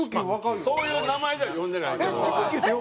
そういう名前では呼んでないけど。